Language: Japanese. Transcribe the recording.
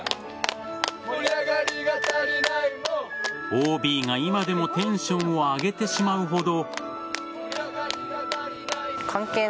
ＯＢが今でもテンションを上げてしまうほど。